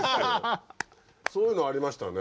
そういうのありましたね。